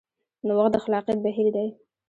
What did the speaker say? نوښت د خلاقیت بهیر دی.